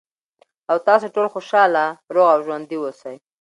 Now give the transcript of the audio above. ، او تاسې ټول خوشاله، روغ او ژوندي اوسئ.